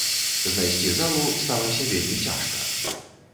Знайсці залу сталася вельмі цяжка.